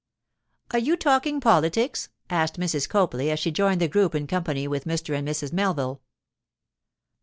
'Are you talking politics?' asked Mrs. Copley as she joined the group in company with Mr. and Mrs. Melville.